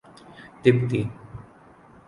تبتی